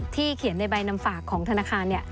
เขียนในใบนำฝากของธนาคาร